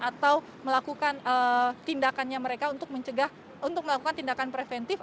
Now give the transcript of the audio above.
atau melakukan tindakannya mereka untuk mencegah untuk melakukan tindakan preventif